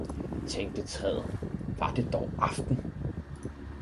tænkte træet, var det dog aften!